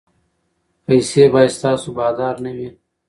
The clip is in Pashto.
پیسې باید ستاسو بادار نه وي.